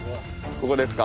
ここですか。